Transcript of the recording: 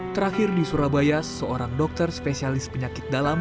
terakhir di surabaya seorang dokter spesialis penyakit dalam